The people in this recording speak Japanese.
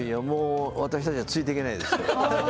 もう私にはついていけないですよ。